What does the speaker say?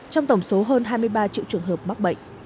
trong tổng số hơn hai mươi ba triệu trường hợp mắc bệnh